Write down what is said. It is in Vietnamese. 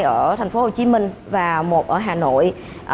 ở thành phố hồ chí minh và một ở hà nội